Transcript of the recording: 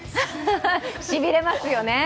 しびれますよね。